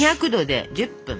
２００℃で１０分。